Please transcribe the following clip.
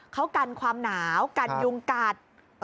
เขากันความหนาวกันยุงกัด